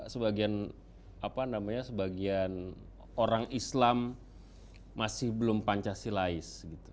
sebagian orang islam masih belum pancasilais